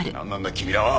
君らは。